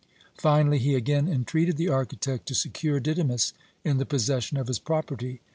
Finally, he again entreated the architect to secure Didymus in the possession of his property.